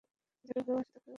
যাকে ভালোবাস তাকেও জানি।